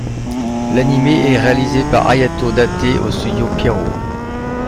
L'anime est réalisé par Hayato Date au Studio Pierrot.